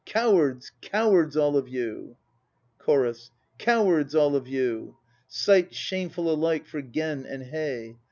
Cowards, cowards all of you ! CHORUS. Cowards, all of you! Sight shameful alike for Gen and Hei.